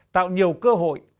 tạo nhiều cơ hội